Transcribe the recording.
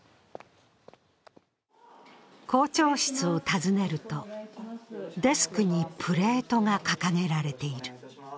校長室を訪ねると、デスクにプレートが掲げられている。